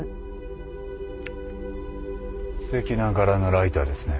すてきな柄のライターですね。